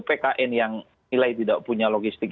pkn yang nilai tidak punya logistik